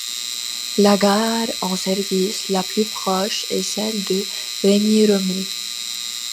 La gare en service la plus proche est celle de Remiremont.